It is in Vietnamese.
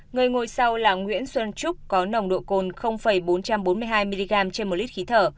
người ngồi sau là nguyễn xuân trúc có nồng độ cồn bốn trăm bốn mươi hai mg trên một lít khí thở